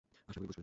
আশা করি বুঝবে।